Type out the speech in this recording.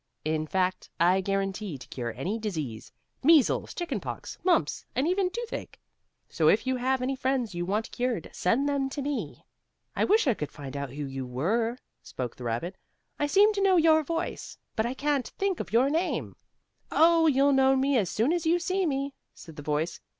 "In fact, I guarantee to cure any disease measles, chicken pox, mumps and even toothache. So if you have any friends you want cured send them to me." "I wish I could find out who you were," spoke the rabbit. "I seem to know your voice, but I can't think of your name." "Oh, you'll know me as soon as you see me," said the voice.